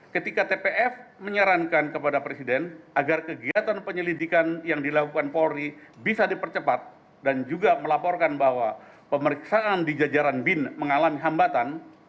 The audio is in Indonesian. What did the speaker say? ketika tpf menyarankan kepada presiden agar kegiatan penyelidikan yang dilakukan polri bisa dipercepat dan juga melaporkan bahwa pemeriksaan di jajaran bin mengalami hambatan